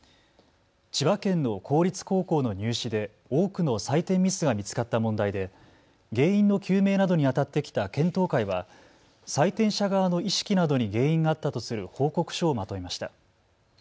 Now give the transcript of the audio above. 千葉県の公立高校の入試で多くの採点ミスが見つかった問題で原因の究明などにあたってきた検討会は採点者側の意識などに原因があったとする報告書をまとめました。